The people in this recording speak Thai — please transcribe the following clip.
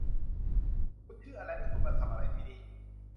คุณชื่ออะไร และคุณมาทำอะไรที่นี่